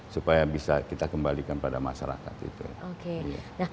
supaya bisa kita kembalikan pada masalah masalah ini